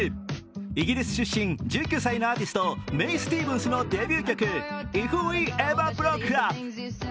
イギリス出身、１９歳のアーティストメイ・スティーブンスのデビュー曲「ＩｆＷｅＥｖｅｒＢｒｏｋｅＵｐ」。